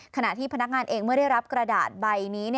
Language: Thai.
ขณะที่พนักงานเองเมื่อได้รับกระดาษใบนี้